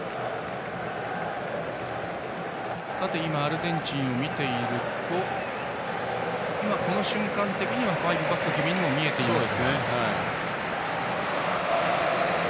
今、アルゼンチンを見ているとこの瞬間的には５バック気味に見えていますが。